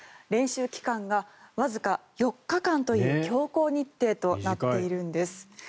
練習期間がわずか４日間という強行日程となっているんです。